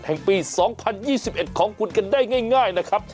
แห่งปี๒๐๒๑ของคุณกันได้ง่ายนะครับ